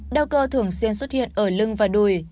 đau cơ thường xuyên xuất hiện ở lưng và đùi